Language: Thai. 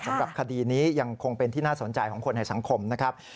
สำหรับคดีนี้ยังคงเป็นที่น่าสนใจของคนในสังคมนะครับ